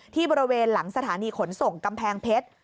ที่บริเวณหลังสถานีขนส่งกำแพงเพชร